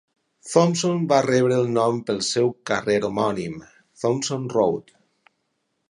Thomson va rebre el nom pel seu carrer homònim, Thomson Road.